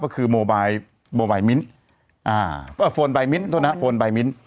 ก็คือโมไบโมไบมิ้นอ่าโฟนใบมิ้นโทษนะโฟนใบมิ้น